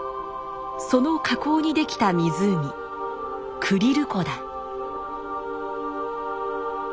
その火口にできた湖クリル湖だ。